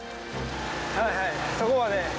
はいはいそこまで。